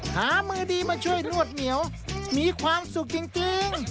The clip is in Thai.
หามือดีมาช่วยนวดเหนียวมีความสุขจริง